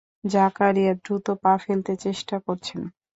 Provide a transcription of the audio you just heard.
জাকারিয়া দ্রুত পা ফেলতে চেষ্টা করছেন।